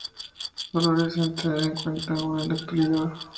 Valores a tener en cuenta aún en la actualidad.